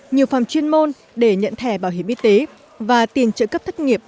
nhiều phòng chuyên môn để nhận thẻ bảo hiểm y tế và tiền trợ cấp thất nghiệp